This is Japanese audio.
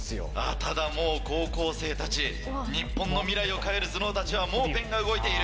ただもう高校生たち日本の未来を変える頭脳たちはもうペンが動いている。